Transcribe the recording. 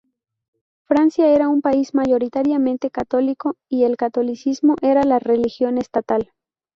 Francia era un país mayoritariamente católico y el catolicismo era la religión estatal.